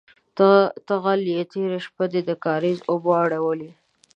_ته غل يې، تېره شپه دې د کارېزه اوبه اړولې.